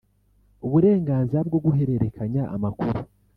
uburenganzira bwo guhererekanya amakuru